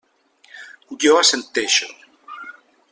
Jo assenteixo.